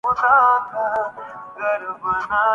تم خداوند ہی کہلاؤ‘ خدا اور سہی